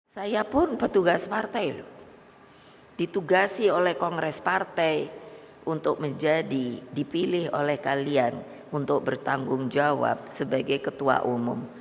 saya pun petugas partai loh ditugasi oleh kongres partai untuk menjadi dipilih oleh kalian untuk bertanggung jawab sebagai ketua umum